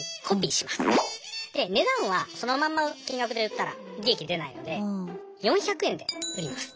で値段はそのまんま金額で売ったら利益出ないので４００円で売ります。